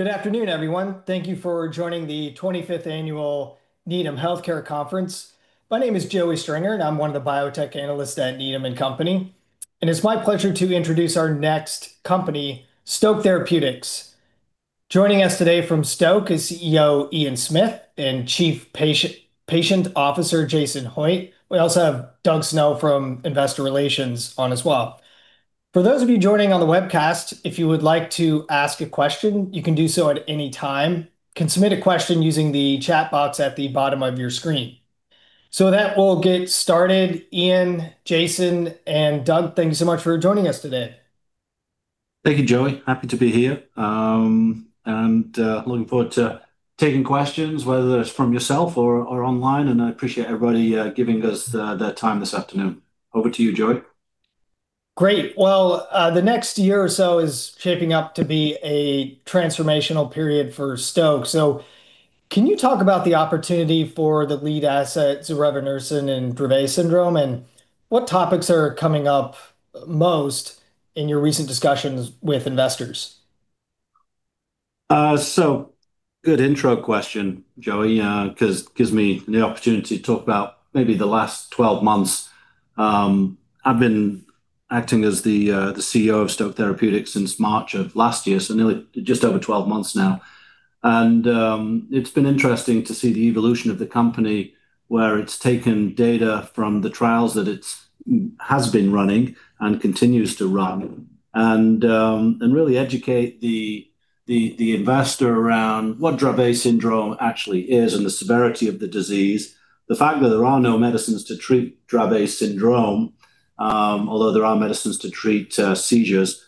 Good afternoon, everyone. Thank you for joining the 25th Annual Needham Healthcare Conference. My name is Joey Stringer, and I'm one of the biotech analysts at Needham & Company. It's my pleasure to introduce our next company, Stoke Therapeutics. Joining us today from Stoke is CEO Ian Smith and Chief Patient Officer Jason Hoitt. We also have Doug Snow from Investor Relations on as well. For those of you joining on the webcast, if you would like to ask a question, you can do so at any time. You can submit a question using the chat box at the bottom of your screen. With that, we'll get started. Ian, Jason, and Doug, thank you so much for joining us today. Thank you, Joey. Happy to be here. Looking forward to taking questions, whether it's from yourself or online, and I appreciate everybody giving us their time this afternoon. Over to you, Joey. Great. Well, the next year or so is shaping up to be a transformational period for Stoke. Can you talk about the opportunity for the lead asset, zorevunersen in Dravet syndrome, and what topics are coming up most in your recent discussions with investors? Good intro question, Joey, because it gives me the opportunity to talk about maybe the last 12 months. I've been acting as the CEO of Stoke Therapeutics since March of last year, so nearly just over 12 months now. It's been interesting to see the evolution of the company, where it's taken data from the trials that it has been running and continues to run, and really educate the investor around what Dravet syndrome actually is and the severity of the disease, the fact that there are no medicines to treat Dravet syndrome, although there are medicines to treat seizures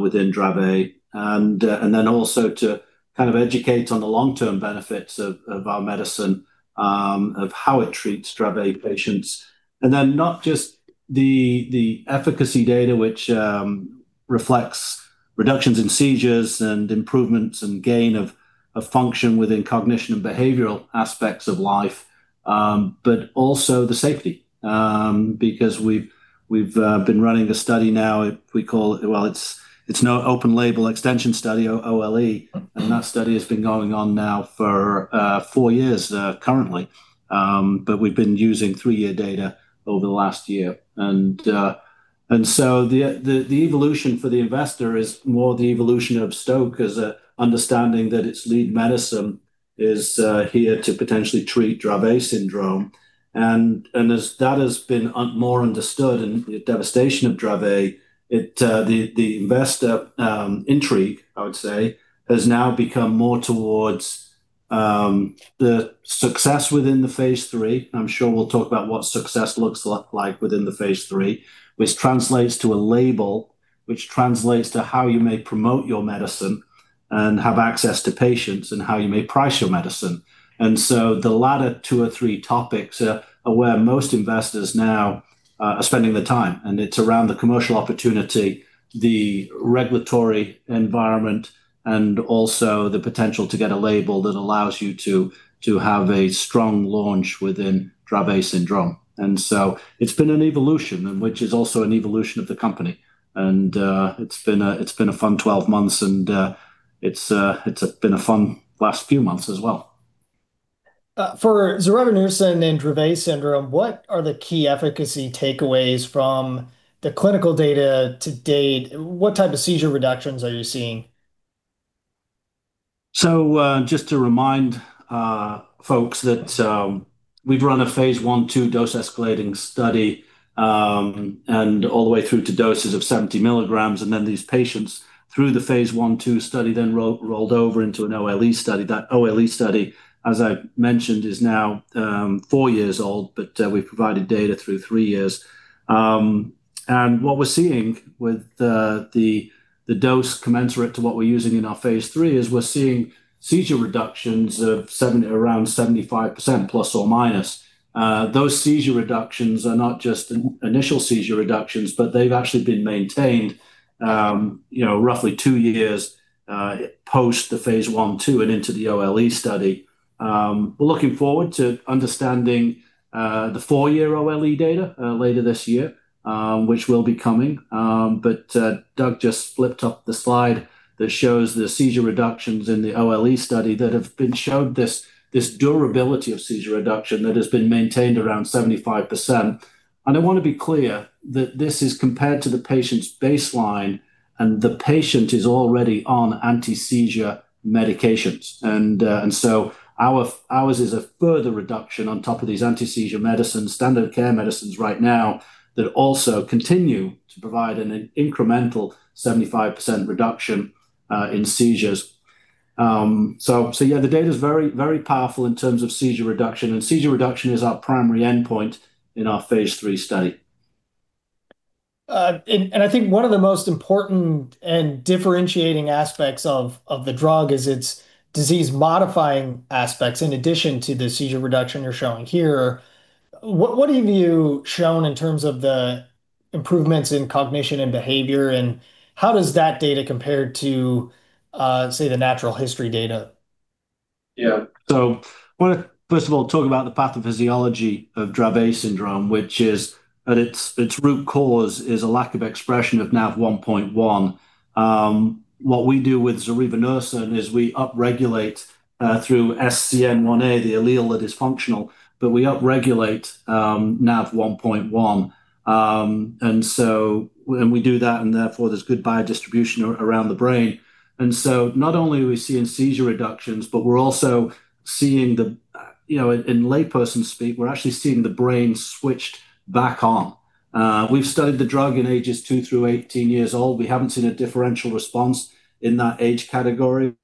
within Dravet, and then also to kind of educate on the long-term benefits of our medicine, of how it treats Dravet patients. Not just the efficacy data, which reflects reductions in seizures and improvements and gain of function within cognition and behavioral aspects of life, but also the safety, because we've been running a study now, well, it's an open-label extension study, OLE, and that study has been going on now for four years currently. We've been using three-year data over the last year. The evolution for the investor is more the evolution of Stoke as an understanding that its lead medicine is here to potentially treat Dravet syndrome. As that has been more understood and the devastation of Dravet, the investor intrigue, I would say, has now become more towards the success within the phase III. I'm sure we'll talk about what success looks like within the phase III, which translates to a label, which translates to how you may promote your medicine and have access to patients, and how you may price your medicine. The latter two or three topics are where most investors now are spending the time, and it's around the commercial opportunity, the regulatory environment, and also the potential to get a label that allows you to have a strong launch within Dravet syndrome. It's been an evolution, and which is also an evolution of the company. It's been a fun 12 months, and it's been a fun last few months as well. For zorevunersen in Dravet syndrome, what are the key efficacy takeaways from the clinical data to date? What type of seizure reductions are you seeing? Just to remind folks that we've run a phase I/II dose-escalating study, and all the way through to doses of 70 mg, and then these patients, through the phase I/II study, then rolled over into an OLE study. That OLE study, as I mentioned, is now four years old, but we've provided data through three years. What we're seeing with the dose commensurate to what we're using in our phase III is we're seeing seizure reductions of around ±75%. Those seizure reductions are not just initial seizure reductions, but they've actually been maintained roughly two years post the phase I/II and into the OLE study. We're looking forward to understanding the four-year OLE data later this year, which will be coming. Doug just flipped up the slide that shows the seizure reductions in the OLE study that have been showed this durability of seizure reduction that has been maintained around 75%. I want to be clear that this is compared to the patient's baseline, and the patient is already on anti-seizure medications. Ours is a further reduction on top of these anti-seizure medicines, standard of care medicines right now, that also continue to provide an incremental 75% reduction in seizures. Yeah, the data's very powerful in terms of seizure reduction, and seizure reduction is our primary endpoint in our phase III study. I think one of the most important and differentiating aspects of the drug is its disease-modifying aspects, in addition to the seizure reduction you're showing here. What have you shown in terms of the improvements in cognition and behavior, and how does that data compare to, say, the natural history data? Yeah. I want to first of all talk about the pathophysiology of Dravet syndrome, which at its root cause is a lack of expression of NaV1.1. What we do with zorevunersen is we upregulate through SCN1A, the allele that is functional, but we upregulate NaV1.1. We do that, and therefore there's good biodistribution around the brain. Not only are we seeing seizure reductions, but we're also seeing, in layperson speak, we're actually seeing the brain switched back on. We've studied the drug in ages two through 18 years old. We haven't seen a differential response in that age category.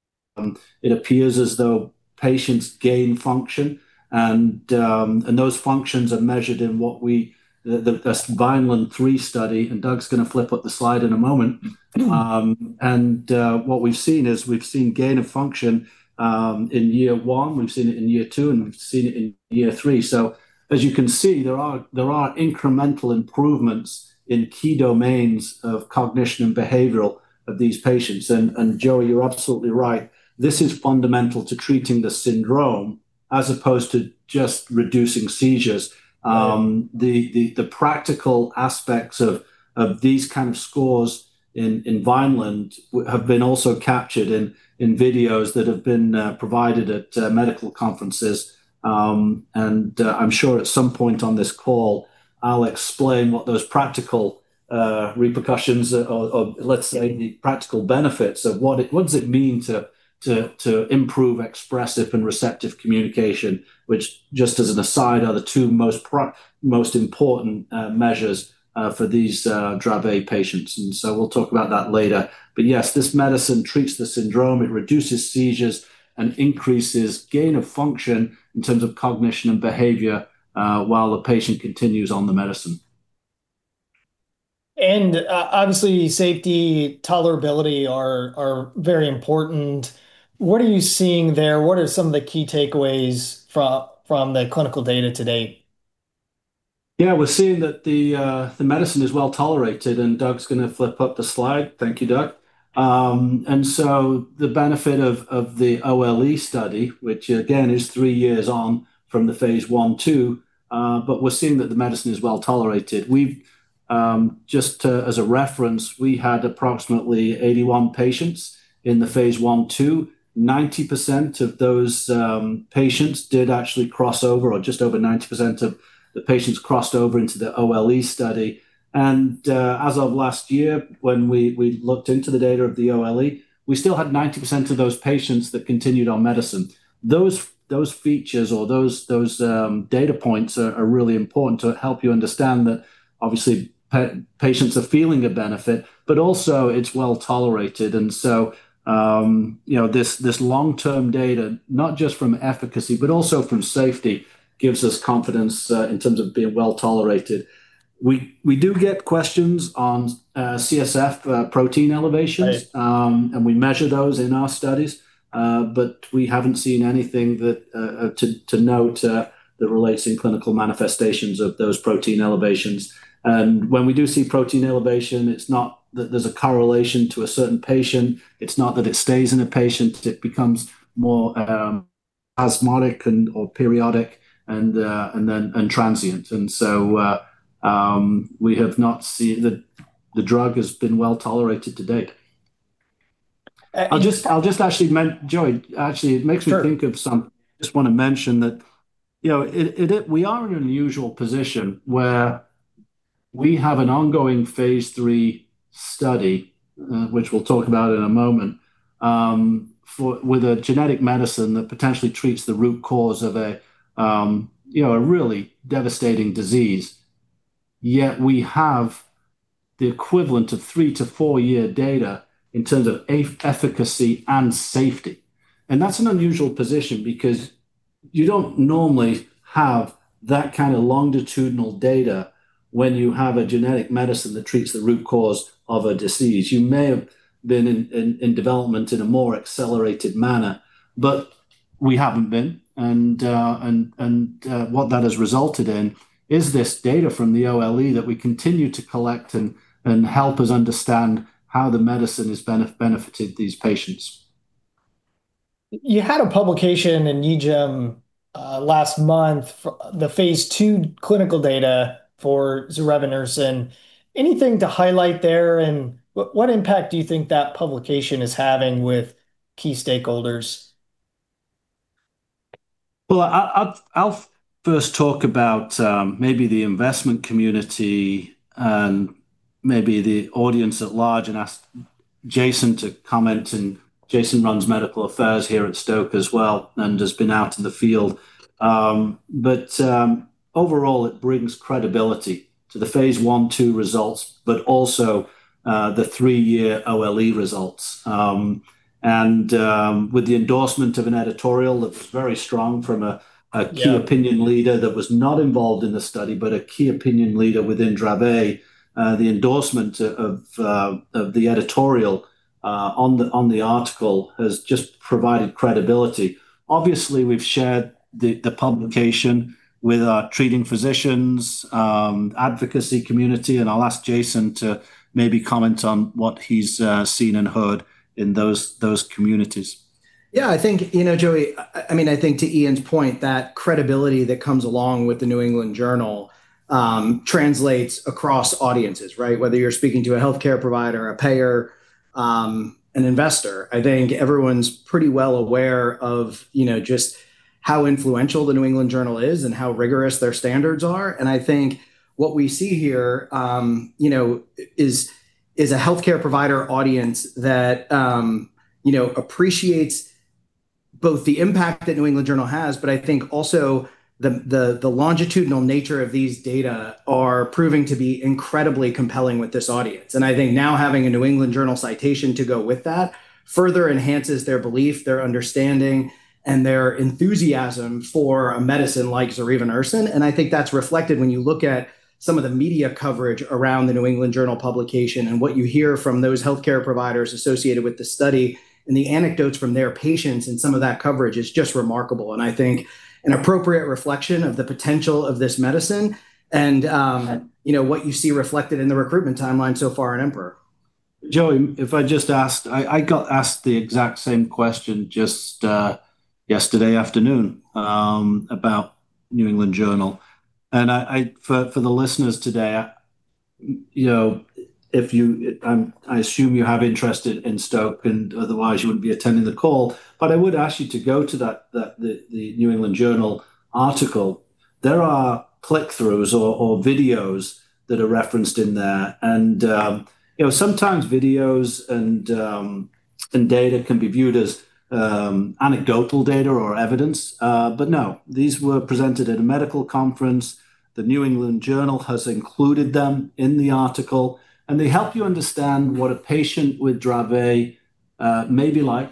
It appears as though patients gain function, and those functions are measured in the Vineland-3 study. Doug's going to flip up the slide in a moment. What we've seen is gain of function in year one, we've seen it in year two, and we've seen it in year three. As you can see, there are incremental improvements in key domains of cognition and behavior of these patients. Joey, you're absolutely right. This is fundamental to treating the syndrome as opposed to just reducing seizures. Yeah. The practical aspects of these kind of scores in Vineland have been also captured in videos that have been provided at medical conferences. I'm sure at some point on this call I'll explain what those practical repercussions or, let's say, the practical benefits of what does it mean to improve expressive and receptive communication, which, just as an aside, are the two most important measures for these Dravet patients. We'll talk about that later. Yes, this medicine treats the syndrome. It reduces seizures and increases gain of function in terms of cognition and behavior while the patient continues on the medicine. Obviously safety, tolerability are very important. What are you seeing there? What are some of the key takeaways from the clinical data to date? Yeah, we're seeing that the medicine is well-tolerated, and Doug's going to flip up the slide. Thank you, Doug. The benefit of the OLE study, which again, is three years on from the phase I/II, but we're seeing that the medicine is well-tolerated. Just as a reference, we had approximately 81 patients in the phase I/II. 90% of those patients did actually cross over, or just over 90% of the patients crossed over into the OLE study. As of last year, when we looked into the data of the OLE, we still had 90% of those patients that continued on medicine. Those features or those data points are really important to help you understand that obviously patients are feeling a benefit, but also it's well-tolerated. This long-term data, not just from efficacy but also from safety, gives us confidence in terms of being well-tolerated. We do get questions on CSF protein elevations. Right. We measure those in our studies. We haven't seen anything to note that relates in clinical manifestations of those protein elevations. When we do see protein elevation, it's not that there's a correlation to a certain patient, it's not that it stays in a patient, it becomes more asymptomatic or periodic and transient. The drug has been well-tolerated to date. And- Joey, actually it makes me think of something. Sure. Just want to mention that we are in an unusual position where we have an ongoing phase III study, which we'll talk about in a moment, with a genetic medicine that potentially treats the root cause of a really devastating disease. Yet we have the equivalent of three- to four-year data in terms of efficacy and safety. That's an unusual position because you don't normally have that kind of longitudinal data when you have a genetic medicine that treats the root cause of a disease. You may have been in development in a more accelerated manner, but we haven't been. What that has resulted in is this data from the OLE that we continue to collect and help us understand how the medicine has benefited these patients. You had a publication in NEJM last month, the phase II clinical data for zorevunersen. Anything to highlight there, and what impact do you think that publication is having with key stakeholders? Well, I'll first talk about maybe the investment community and maybe the audience at large, and ask Jason to comment. Jason runs medical affairs here at Stoke as well and has been out in the field. Overall, it brings credibility to the phase I/II results, but also the three-year OLE results. With the endorsement of an editorial that was very strong from a key opinion leader that was not involved in the study, but a key opinion leader within Dravet, the endorsement of the editorial on the article has just provided credibility. Obviously, we've shared the publication with our treating physicians, advocacy community, and I'll ask Jason to maybe comment on what he's seen and heard in those communities. Yeah, Joey, I think to Ian's point, that credibility that comes along with the New England Journal. It translates across audiences, right? Whether you're speaking to a healthcare provider, a payer, an investor, I think everyone's pretty well aware of just how influential the New England Journal is and how rigorous their standards are. I think what we see here is a healthcare provider audience that appreciates both the impact that New England Journal has, but I think also the longitudinal nature of these data are proving to be incredibly compelling with this audience. I think now having a New England Journal citation to go with that further enhances their belief, their understanding, and their enthusiasm for a medicine like zorevunersen. I think that's reflected when you look at some of the media coverage around the New England Journal publication, and what you hear from those healthcare providers associated with the study, and the anecdotes from their patients. Some of that coverage is just remarkable, and I think an appropriate reflection of the potential of this medicine and what you see reflected in the recruitment timeline so far in EMPEROR. Joey, I got asked the exact same question just yesterday afternoon about New England Journal. For the listeners today, I assume you have interest in Stoke and otherwise you wouldn't be attending the call. I would ask you to go to the New England Journal article. There are click-throughs or videos that are referenced in there. Sometimes videos and data can be viewed as anecdotal data or evidence. No, these were presented at a medical conference. The New England Journal has included them in the article, and they help you understand what a patient with Dravet may be like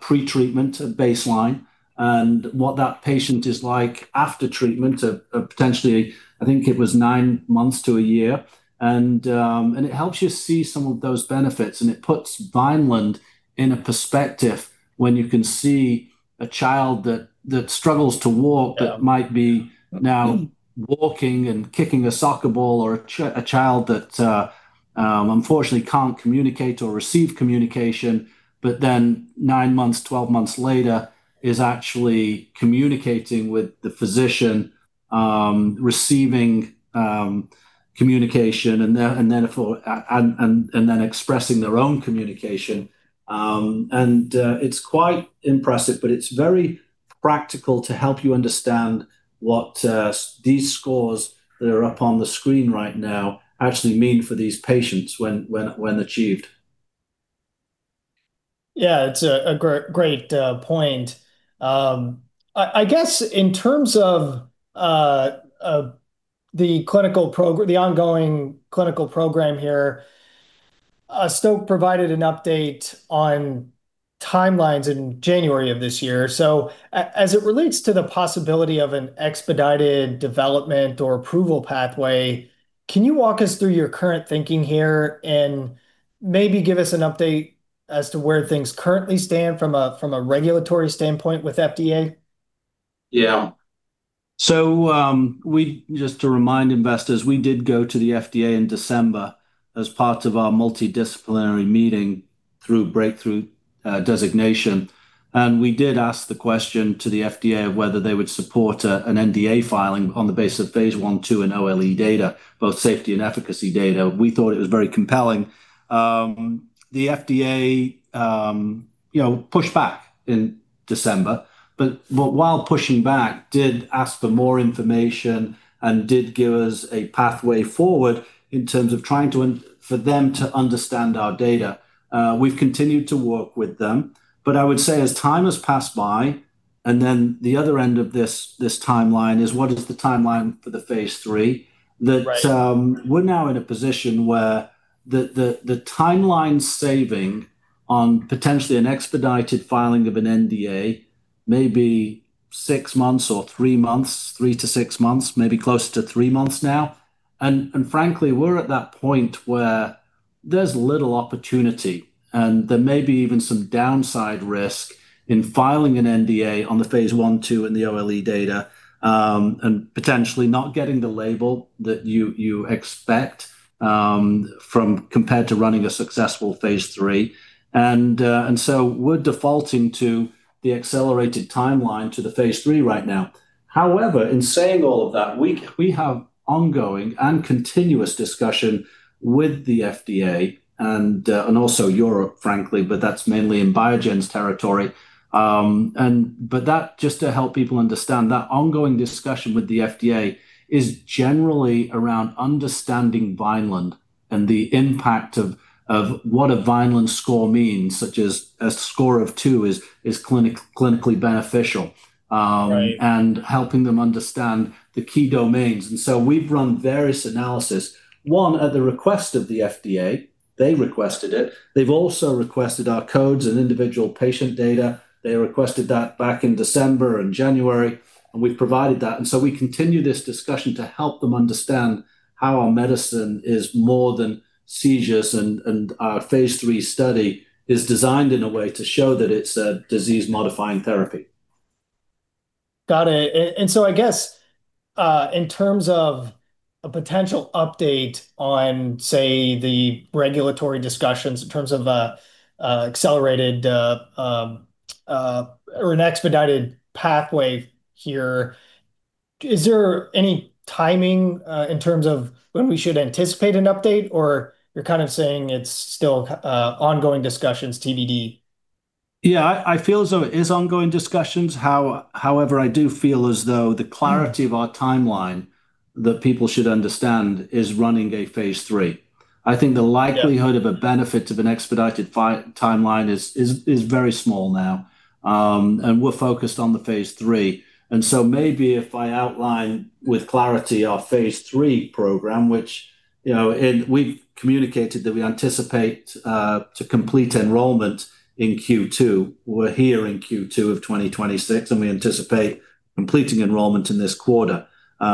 pre-treatment, at baseline, and what that patient is like after treatment of potentially, I think it was nine months to a year. It helps you see some of those benefits, and it puts Vineland in a perspective when you can see a child that struggles to walk that might be now walking and kicking a soccer ball, or a child that unfortunately can't communicate or receive communication, but then nine months, 12 months later, is actually communicating with the physician, receiving communication and then expressing their own communication. It's quite impressive, but it's very practical to help you understand what these scores that are up on the screen right now actually mean for these patients when achieved. Yeah, it's a great point. I guess in terms of the ongoing clinical program here, Stoke provided an update on timelines in January of this year. As it relates to the possibility of an expedited development or approval pathway, can you walk us through your current thinking here and maybe give us an update as to where things currently stand from a regulatory standpoint with FDA? Yeah. Just to remind investors, we did go to the FDA in December as part of our multidisciplinary meeting through Breakthrough Therapy Designation, and we did ask the question to the FDA of whether they would support an NDA filing on the basis of phase I, II, and OLE data, both safety and efficacy data. We thought it was very compelling. The FDA pushed back in December, but while pushing back, did ask for more information and did give us a pathway forward in terms of trying for them to understand our data. We've continued to work with them, but I would say as time has passed by, and then the other end of this timeline is what is the timeline for the phase III. Right. We're now in a position where the timeline saving on potentially an expedited filing of an NDA may be six months or three months, three to six months, maybe closer to three months now. Frankly, we're at that point where there's little opportunity, and there may be even some downside risk in filing an NDA on the phase I, II, and the OLE data, and potentially not getting the label that you expect compared to running a successful phase III. We're defaulting to the accelerated timeline to the phase III right now. However, in saying all of that, we have ongoing and continuous discussion with the FDA and also Europe, frankly, but that's mainly in Biogen's territory. Just to help people understand, that ongoing discussion with the FDA is generally around understanding Vineland and the impact of what a Vineland score means, such as a score of two is clinically beneficial. Right. Helping them understand the key domains, we've run various analyses, one at the request of the FDA. They requested it. They've also requested our codes and individual patient data. They requested that back in December and January, and we've provided that. We continue this discussion to help them understand how our medicine is more than seizures, and our phase III study is designed in a way to show that it's a disease-modifying therapy. Got it. I guess, in terms of a potential update on, say, the regulatory discussions in terms of accelerated- ...an expedited pathway here, is there any timing in terms of when we should anticipate an update? You're kind of saying it's still ongoing discussions, TBD? Yeah. I feel as though it is ongoing discussions. However, I do feel as though the clarity of our timeline that people should understand is running a phase III. Yeah. The benefit of an expedited timeline is very small now. We're focused on the phase III, and so maybe if I outline with clarity our phase III program, which we've communicated that we anticipate to complete enrollment in Q2. We're here in Q2 of 2026, and we anticipate completing enrollment in this quarter.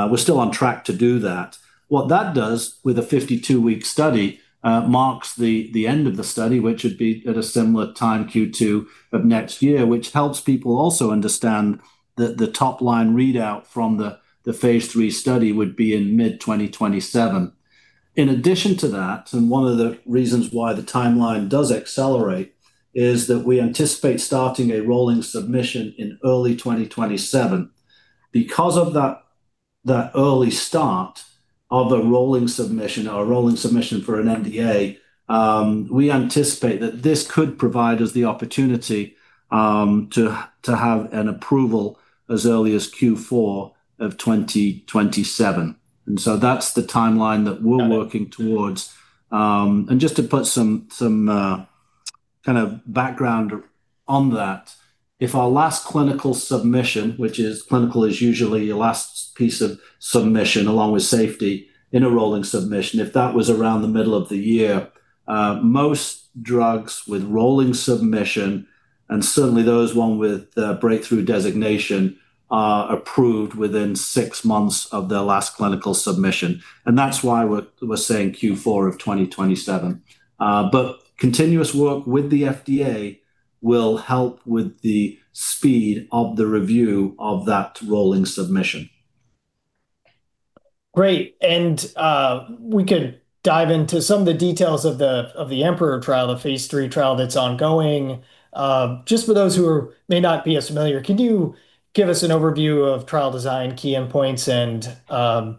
We're still on track to do that. What that does with a 52-week study marks the end of the study, which would be at a similar time, Q2 of next year, which helps people also understand that the top-line readout from the phase III study would be in mid-2027. In addition to that, and one of the reasons why the timeline does accelerate, is that we anticipate starting a rolling submission in early 2027. Because of that early start of a rolling submission for an NDA, we anticipate that this could provide us the opportunity to have an approval as early as Q4 of 2027. That's the timeline that we're working towards. Just to put some kind of background on that, if our last clinical submission, which is clinical, is usually your last piece of submission, along with safety in a rolling submission, if that was around the middle of the year, most drugs with rolling submission, and certainly those one with a Breakthrough Designation, are approved within six months of their last clinical submission, and that's why we're saying Q4 of 2027. Continuous work with the FDA will help with the speed of the review of that rolling submission. Great. We could dive into some of the details of the EMPEROR trial, the phase III trial that's ongoing. Just for those who may not be as familiar, can you give us an overview of trial design, key endpoints, and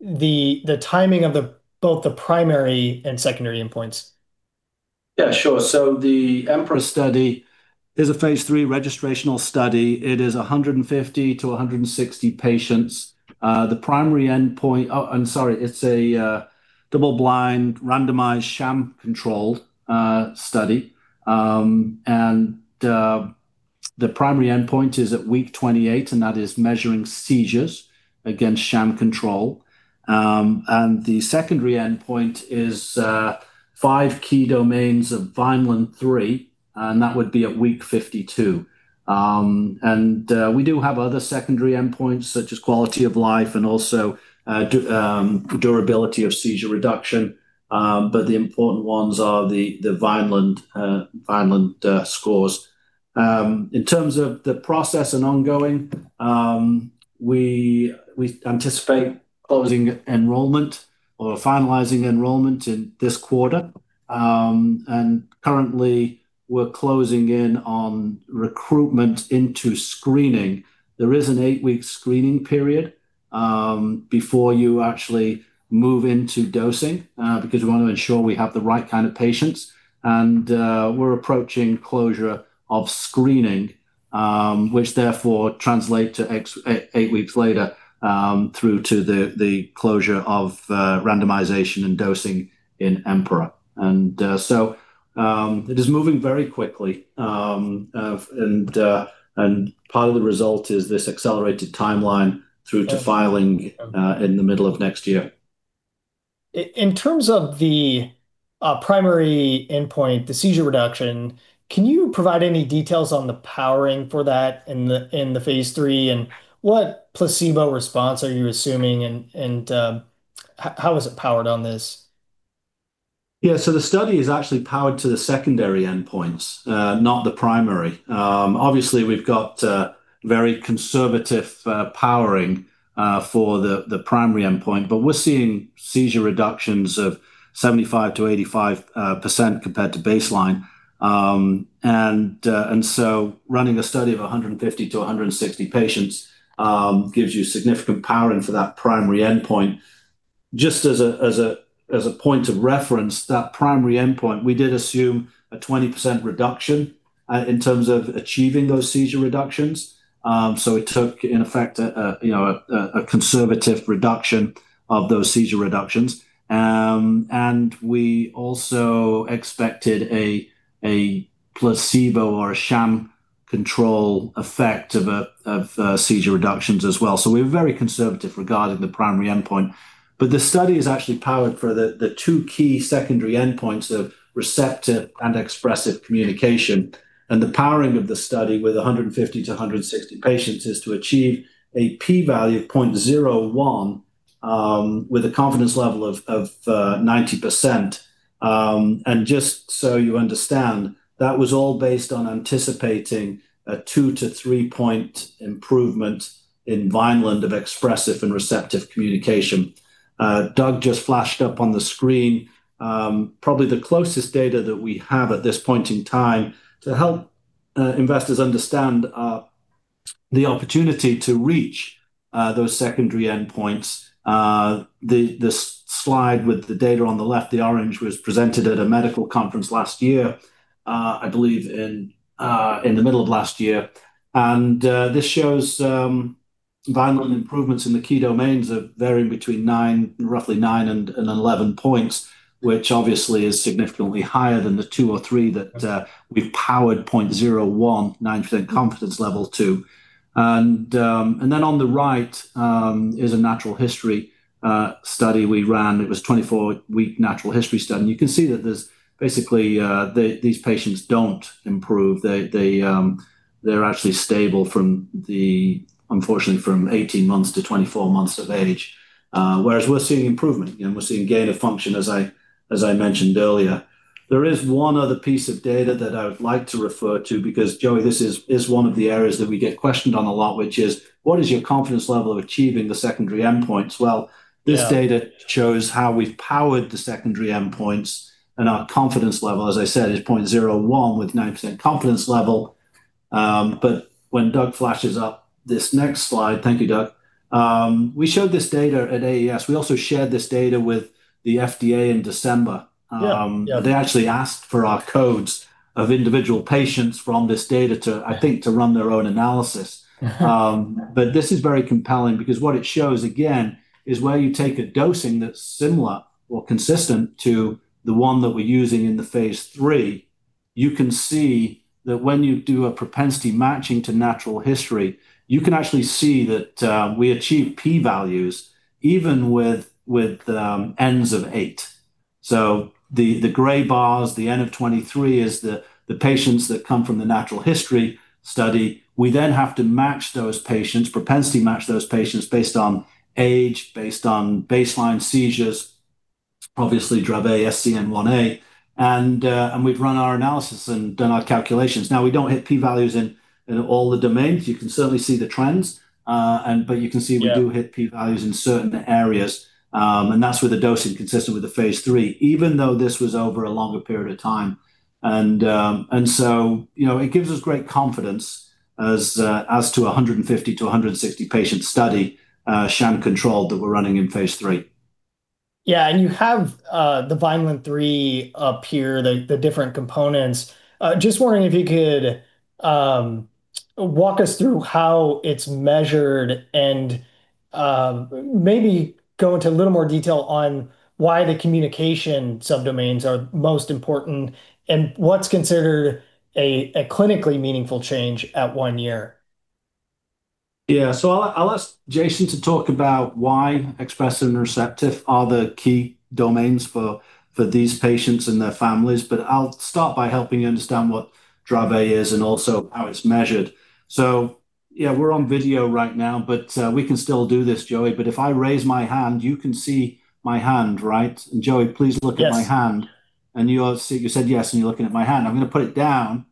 the timing of both the primary and secondary endpoints? Yeah, sure. The EMPEROR study is a phase III registrational study. It is 150-160 patients. The primary endpoint, oh, I'm sorry. It's a double-blind, randomized, sham-controlled study. The primary endpoint is at week 28, and that is measuring seizures against sham control. The secondary endpoint is five key domains of Vineland-3, and that would be at week 52. We do have other secondary endpoints, such as quality of life and also durability of seizure reduction. The important ones are the Vineland scores. In terms of the process and ongoing, we anticipate closing enrollment or finalizing enrollment in this quarter. Currently, we're closing in on recruitment into screening. There is an eight-week screening period before you actually move into dosing, because we want to ensure we have the right kind of patients. We're approaching closure of screening, which therefore translate to eight weeks later, through to the closure of randomization and dosing in EMPEROR. It is moving very quickly. Part of the result is this accelerated timeline through to filing in the middle of next year. In terms of the primary endpoint, the seizure reduction, can you provide any details on the powering for that in the phase III, and what placebo response are you assuming, and how is it powered on this? Yeah. The study is actually powered to the secondary endpoints, not the primary. Obviously, we've got very conservative powering for the primary endpoint, but we're seeing seizure reductions of 75%-85% compared to baseline. Running a study of 150-160 patients gives you significant powering for that primary endpoint. Just as a point of reference, that primary endpoint, we did assume a 20% reduction in terms of achieving those seizure reductions. It took, in effect, a conservative reduction of those seizure reductions. We also expected a placebo or a sham control effect of seizure reductions as well. We're very conservative regarding the primary endpoint. The study is actually powered for the two key secondary endpoints of receptive and expressive communication. Powering of the study with 150-160 patients is to achieve a p-value of 0.01 with a confidence level of 90%. Just so you understand, that was all based on anticipating a two- to three-point improvement in Vineland of expressive and receptive communication. Doug just flashed up on the screen probably the closest data that we have at this point in time to help investors understand the opportunity to reach those secondary endpoints. This slide with the data on the left, the orange, was presented at a medical conference last year, I believe in the middle of last year. This shows Vineland improvements in the key domains are varying between roughly nine and 11 points, which obviously is significantly higher than the two or three that we've powered 0.01, 90% confidence level, too. On the right is a natural history study we ran. It was a 24-week natural history study. You can see that there's basically these patients don't improve. They're actually stable, unfortunately, from 18 months to 24 months of age, whereas we're seeing improvement. We're seeing gain of function as I mentioned earlier. There is one other piece of data that I would like to refer to because, Joey, this is one of the areas that we get questioned on a lot, which is what is your confidence level of achieving the secondary endpoints? Well,- Yeah.... This data shows how we've powered the secondary endpoints, and our confidence level, as I said, is 0.01 with 90% confidence level. When Doug flashes up this next slide, thank you, Doug, we showed this data at AES. We also shared this data with the FDA in December. Yeah, yup. They actually asked for our codes of individual patients from this data, I think, to run their own analysis. This is very compelling because what it shows, again, is where you take a dosing that's similar or consistent to the one that we're using in the phase III, you can see that when you do a propensity matching to natural history, you can actually see that we achieve p-values even with n's of eight. The gray bars, the n of 23, is the patients that come from the natural history study. We then have to propensity match those patients based on age, based on baseline seizures, obviously Dravet SCN1A, and we've run our analysis and done our calculations. Now, we don't hit p-values in all the domains. You can certainly see the trends. Yeah. We do hit p-values in certain areas, and that's with a dosing consistent with the phase III, even though this was over a longer period of time. It gives us great confidence as to 150-160-patient study, sham-controlled, that we're running in phase III. Yeah, you have the Vineland-3 up here, the different components. Just wondering if you could walk us through how it's measured and maybe go into a little more detail on why the communication sub-domains are most important and what's considered a clinically meaningful change at one year? Yeah. I'll ask Jason to talk about why expressive and receptive are the key domains for these patients and their families, but I'll start by helping you understand what Dravet is and also how it's measured. Yeah, we're on video right now, but we can still do this, Joey. If I raise my hand, you can see my hand, right? Joey, please look at my hand. Yes. You said "Yes," and you're looking at my hand. I'm going to put it down,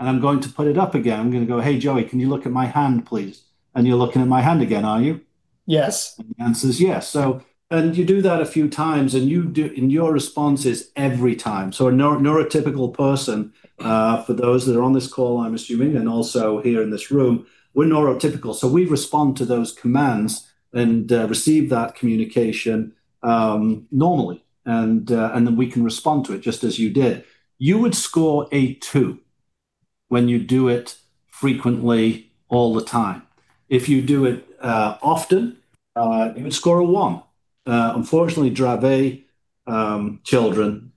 and I'm going to put it up again. I'm going to go, "Hey, Joey, can you look at my hand, please?" You're looking at my hand again, are you? Yes. The answer's yes. You do that a few times, and your response is every time. A neurotypical person, for those that are on this call, I'm assuming, and also here in this room, we're neurotypical, so we respond to those commands and receive that communication normally, and then we can respond to it, just as you did. You would score a two when you do it frequently all the time. If you do it often, you would score a one. Unfortunately, Dravet children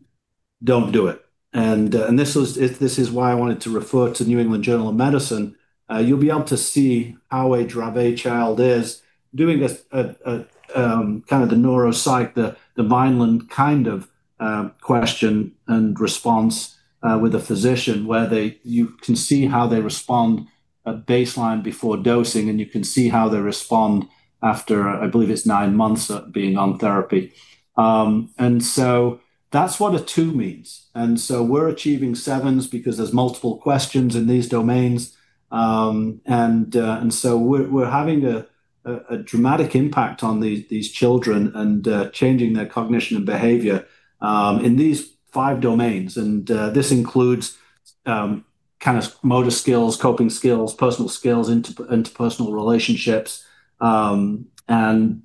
don't do it, and this is why I wanted to refer to New England Journal of Medicine. You'll be able to see how a Dravet child is doing this neuropsych, the Vineland kind of question and response with a physician, where you can see how they respond at baseline before dosing, and you can see how they respond after, I believe it's nine months of being on therapy. That's what a two means. We're achieving sevens because there's multiple questions in these domains. We're having a dramatic impact on these children and changing their cognition and behavior in these five domains, and this includes motor skills, coping skills, personal skills, interpersonal relationships. In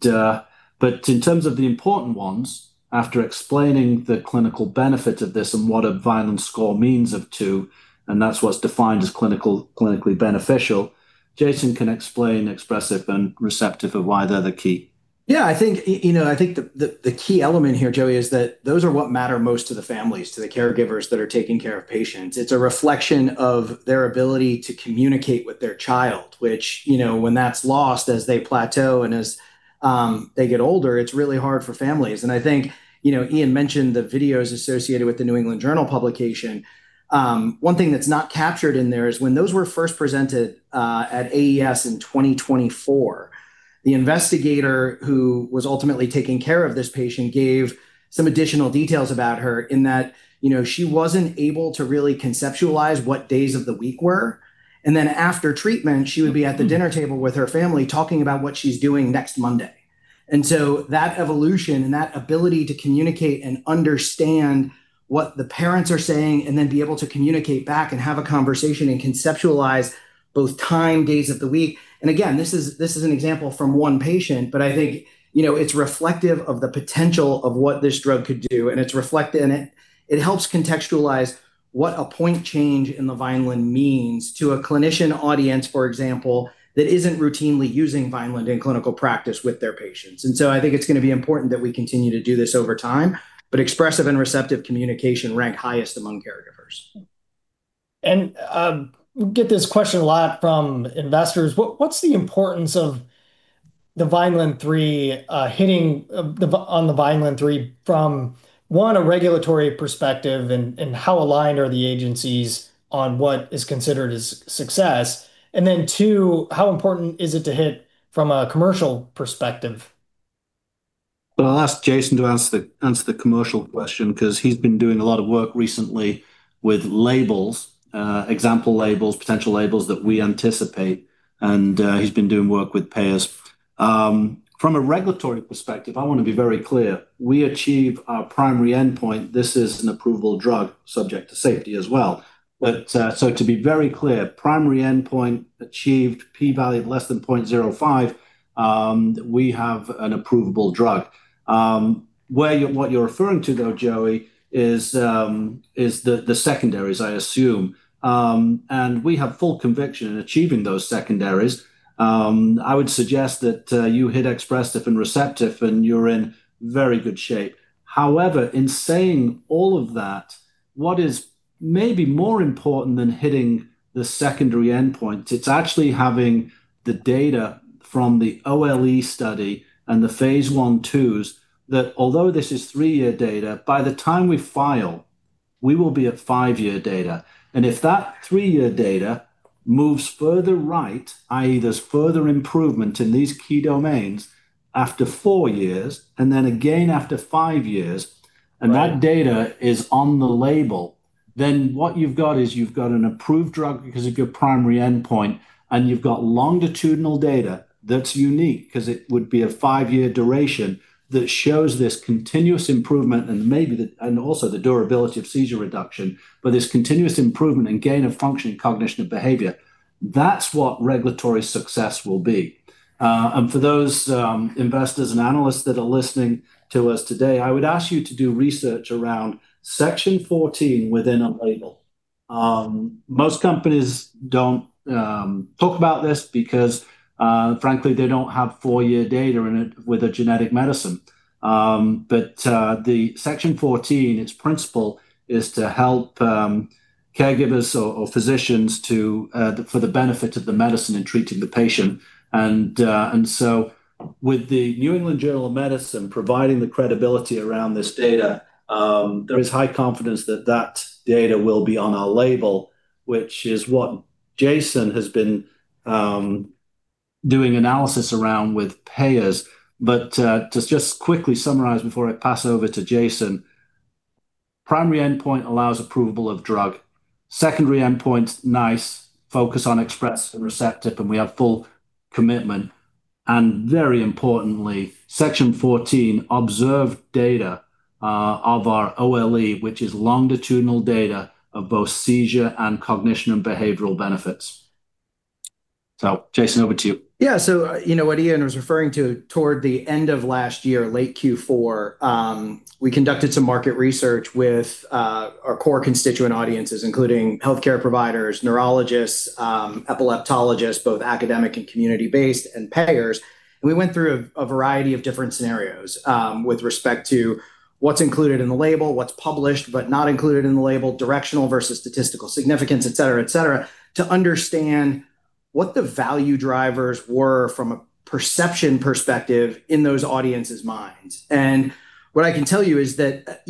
terms of the important ones, after explaining the clinical benefit of this and what a Vineland score means of two, and that's what's defined as clinically beneficial, Jason can explain expressive and receptive, of why they're the key. Yeah. I think the key element here, Joey, is that those are what matter most to the families, to the caregivers that are taking care of patients. It's a reflection of their ability to communicate with their child, which when that's lost as they plateau and as they get older, it's really hard for families. I think Ian mentioned the videos associated with the New England Journal publication. One thing that's not captured in there is when those were first presented at AES in 2024, the investigator who was ultimately taking care of this patient gave some additional details about her in that she wasn't able to really conceptualize what days of the week were. After treatment, she would be at the dinner table with her family talking about what she's doing next Monday, that evolution and that ability to communicate and understand what the parents are saying, and then be able to communicate back and have a conversation and conceptualize both time, days of the week. Again, this is an example from one patient, but I think it's reflective of the potential of what this drug could do, and it helps contextualize what a point change in the Vineland means to a clinician audience, for example, that isn't routinely using Vineland in clinical practice with their patients. I think it's going to be important that we continue to do this over time, but expressive and receptive communication rank highest among caregivers. We get this question a lot from investors. What's the importance of hitting on the Vineland-3 from, one, a regulatory perspective, and how aligned are the agencies on what is considered as success? Two, how important is it to hit from a commercial perspective? I'll ask Jason to answer the commercial question because he's been doing a lot of work recently with labels, example labels, potential labels that we anticipate, and he's been doing work with payers. From a regulatory perspective, I want to be very clear. We achieve our primary endpoint. This is an approvable drug subject to safety as well. To be very clear, primary endpoint achieved, p-value of less than 0.05, we have an approvable drug. What you're referring to, though, Joey, is the secondaries, I assume. We have full conviction in achieving those secondaries. I would suggest that you hit expressive and receptive, and you're in very good shape. However, in saying all of that, what is maybe more important than hitting the secondary endpoint, it's actually having the data from the OLE study and the phase I/IIs, that although this is three-year data, by the time we file, we will be at five-year data. If that three-year data moves further right, i.e., there's further improvement in these key domains after four years and then again after five years, and that data is on the label, then what you've got is an approved drug because of your primary endpoint, and you've got longitudinal data that's unique because it would be a five-year duration that shows this continuous improvement and also the durability of seizure reduction, but this continuous improvement and gain of function in cognition and behavior. That's what regulatory success will be. For those investors and analysts that are listening to us today, I would ask you to do research around Section 14 within a label. Most companies don't talk about this because, frankly, they don't have four-year data with a genetic medicine. The Section 14, its principle is to help caregivers or physicians for the benefit of the medicine in treating the patient. With the New England Journal of Medicine providing the credibility around this data, there is high confidence that data will be on our label, which is what Jason has been doing analysis around with payers. To just quickly summarize before I pass over to Jason, primary endpoint allows approvable of drug. Secondary endpoint, nice. Focus on express and receptive, and we have full commitment. Very importantly, Section 14 observed data of our OLE, which is longitudinal data of both seizure and cognition and behavioral benefits. Jason, over to you. Yeah. So, what Ian was referring to toward the end of last year, late Q4, we conducted some market research with our core constituent audiences, including healthcare providers, neurologists, epileptologists, both academic and community-based, and payers. And we went through a variety of different scenarios, with respect to what's included in the label, what's published but not included in the label, directional versus statistical significance, et cetera, et cetera, to understand what the value drivers were from a perception perspective in those audiences' minds. And what I can tell you is that,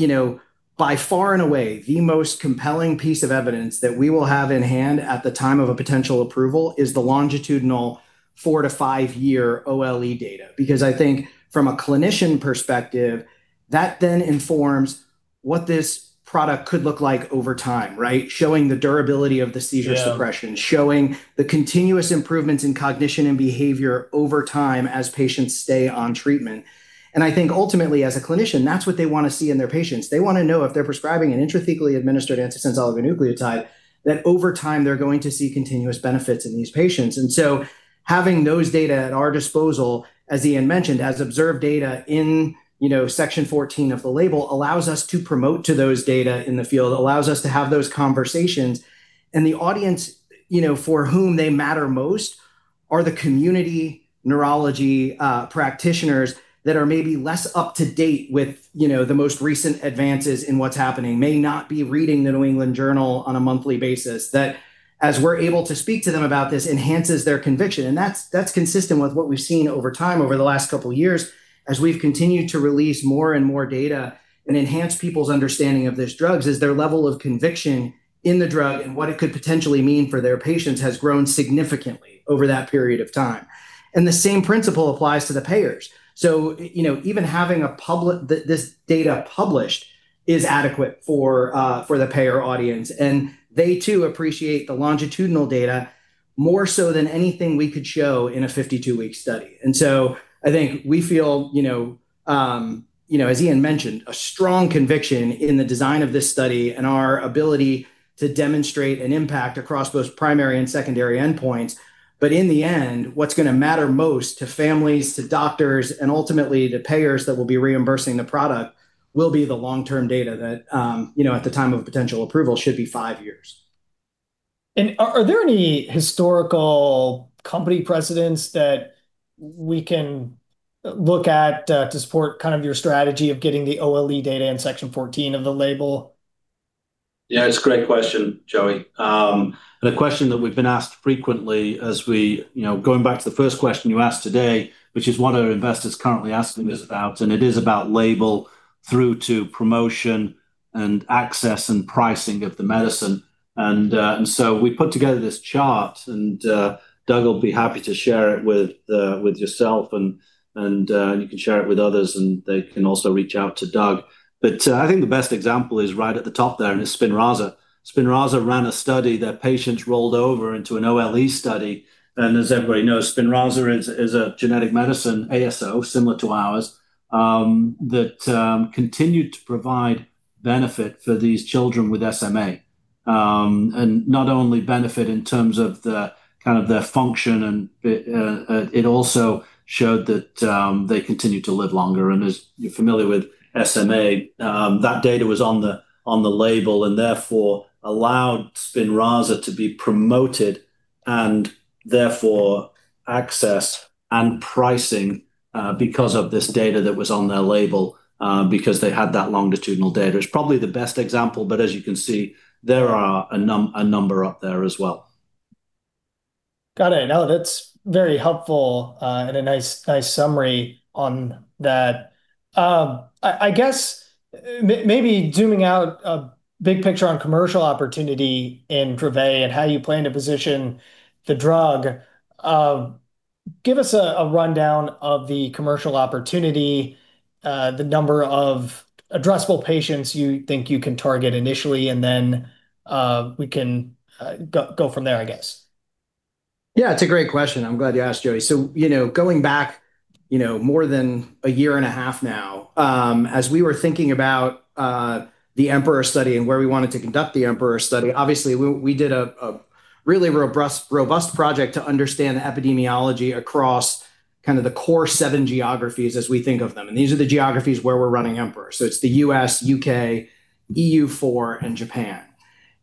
by far and away, the most compelling piece of evidence that we will have in hand at the time of a potential approval is the longitudinal four- to five-year OLE data. Because I think from a clinician perspective, that then informs what this product could look like over time, right? Showing the durability of the seizure- Yeah. ...suppression, showing the continuous improvements in cognition and behavior over time as patients stay on treatment. I think ultimately as a clinician, that's what they want to see in their patients. They want to know if they're prescribing an intrathecally administered antisense oligonucleotide, that over time they're going to see continuous benefits in these patients. Having those data at our disposal, as Ian mentioned, as observed data in Section 14 of the label, allows us to promote to those data in the field, allows us to have those conversations. The audience for whom they matter most are the community neurology practitioners that are maybe less up to date with the most recent advances in what's happening, may not be reading the New England Journal on a monthly basis. That as we're able to speak to them about this, enhances their conviction, and that's consistent with what we've seen over time over the last couple of years as we've continued to release more and more data and enhance people's understanding of these drugs, is their level of conviction in the drug and what it could potentially mean for their patients has grown significantly over that period of time. And the same principle applies to the payers. So, even having this data published is adequate for the payer audience, and they too appreciate the longitudinal data more so than anything we could show in a 52-week study. And so I think we feel, you know, as Ian mentioned, a strong conviction in the design of this study and our ability to demonstrate an impact across both primary and secondary endpoints. In the end, what's going to matter most to families, to doctors, and ultimately to payers that will be reimbursing the product will be the long-term data that, at the time of potential approval, should be five years. Are there any historical company precedents that we can look at to support your strategy of getting the OLE data in Section 14 of the label? Yeah, it's a great question, Joey. A question that we've been asked frequently, going back to the first question you asked today, which is what are investors currently asking this about, and it is about label through to promotion and access and pricing of the medicine. We put together this chart, and Doug will be happy to share it with yourself, and you can share it with others, and they can also reach out to Doug. I think the best example is right at the top there, and it's Spinraza. Spinraza ran a study that patients rolled over into an OLE study. As everybody knows, Spinraza is a genetic medicine, ASO, similar to ours, that continued to provide benefit for these children with SMA. Not only benefit in terms of their function, and it also showed that they continued to live longer. As you're familiar with SMA, that data was on the label and therefore allowed Spinraza to be promoted and therefore accessed and pricing because of this data that was on their label, because they had that longitudinal data. It's probably the best example, but as you can see, there are a number up there as well. Got it. No, that's very helpful, and a nice summary on that. I guess maybe zooming out a big picture on commercial opportunity in Dravet and how you plan to position the drug, give us a rundown of the commercial opportunity, the number of addressable patients you think you can target initially, and then we can go from there, I guess. Yeah, it's a great question. I'm glad you asked, Joey. So, going back more than a year and a half now, as we were thinking about the EMPEROR study and where we wanted to conduct the EMPEROR study, obviously, we did a really robust project to understand the epidemiology across kind of the core seven geographies as we think of them. And these are the geographies where we're running EMPEROR. So it's the U.S., U.K., EU4, and Japan.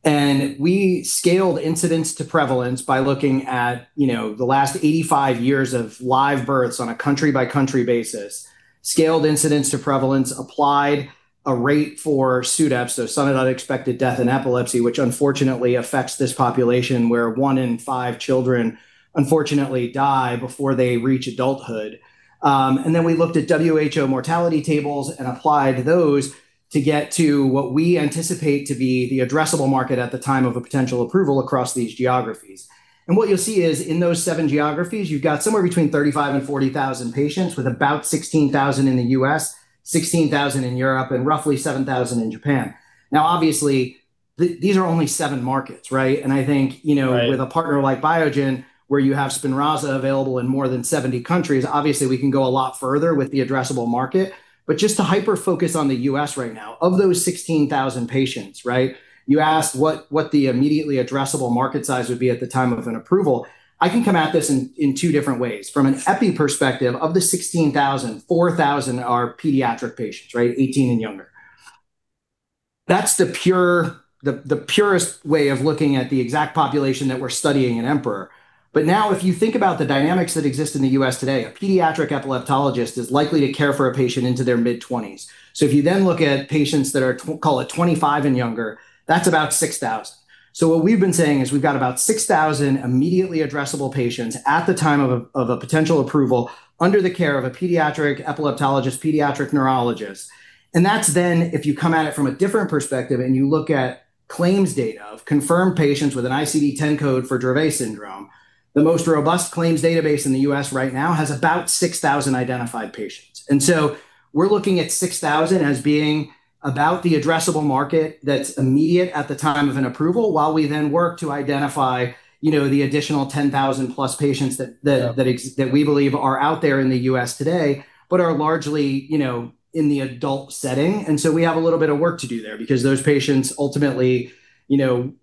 And we scaled incidence to prevalence by looking at the last 85 years of live births on a country-by-country basis, scaled incidence to prevalence, applied a rate for SUDEP, so sudden unexpected death in epilepsy, which unfortunately affects this population where one in five children unfortunately die before they reach adulthood. We looked at WHO mortality tables and applied those to get to what we anticipate to be the addressable market at the time of a potential approval across these geographies. What you'll see is in those seven geographies, you've got somewhere between 35,000 and 40,000 patients, with about 16,000 in the U.S., 16,000 in Europe, and roughly 7,000 in Japan. Now, obviously, these are only seven markets, right? Right. With a partner like Biogen, where you have Spinraza available in more than 70 countries, obviously we can go a lot further with the addressable market. Just to hyper-focus on the U.S. right now, of those 16,000 patients, right? You asked what the immediately addressable market size would be at the time of an approval. I can come at this in two different ways. From an epi perspective, of the 16,000, 4,000 are pediatric patients, right, 18 and younger. That's the purest way of looking at the exact population that we're studying in EMPEROR. Now if you think about the dynamics that exist in the U.S. today, a pediatric epileptologist is likely to care for a patient into their mid-20s. If you then look at patients that are, call it, 25 and younger, that's about 6,000. What we've been saying is we've got about 6,000 immediately addressable patients at the time of a potential approval under the care of a pediatric epileptologist, pediatric neurologist. That's then, if you come at it from a different perspective and you look at claims data of confirmed patients with an ICD-10 code for Dravet syndrome, the most robust claims database in the U.S. right now has about 6,000 identified patients. We're looking at 6,000 as being about the addressable market that's immediate at the time of an approval, while we then work to identify, you know, the additional 10,000+ patients- Yeah. ...that we believe are out there in the U.S. today, but are largely, you know, in the adult setting. We have a little bit of work to do there, because those patients ultimately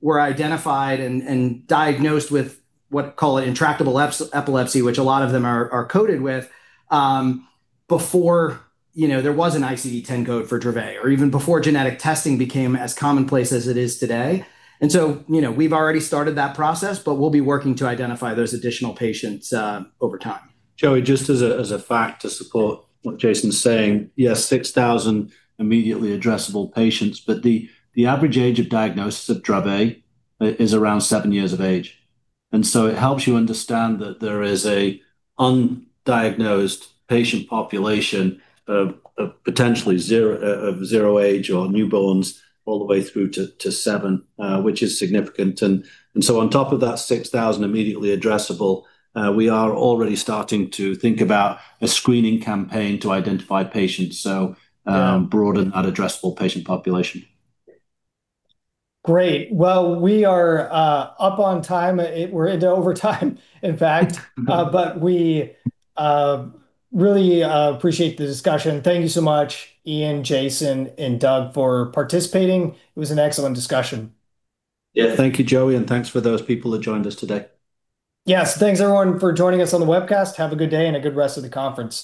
were identified and diagnosed with what, call it intractable epilepsy, which a lot of them are coded with, before there was an ICD-10 code for Dravet or even before genetic testing became as commonplace as it is today. We've already started that process, but we'll be working to identify those additional patients over time. Joey, just as a fact to support what Jason's saying, yes, 6,000 immediately addressable patients, but the average age of diagnosis of Dravet is around seven years of age. It helps you understand that there is a undiagnosed patient population of potentially of zero age or newborns all the way through to seven, which is significant. On top of that 6,000 immediately addressable, we are already starting to think about a screening campaign to identify patients. Broaden that addressable patient population. Great. Well, we are up on time. We're into overtime, in fact. We really appreciate the discussion. Thank you so much, Ian, Jason, and Doug, for participating. It was an excellent discussion. Yeah. Thank you, Joey, and thanks for those people that joined us today. Yeah. Thanks, everyone, for joining us on the webcast. Have a good day and a good rest of the conference.